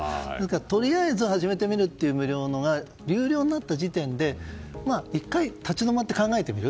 とりあえず始めてみたものが有料になった時点で１回立ち止まって考えてみる